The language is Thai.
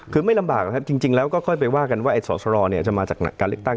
คือไม่ลำบากนะครับจริงแล้วก็ค่อยไปว่ากันว่าไอสอสรจะมาจากการเลือกตั้ง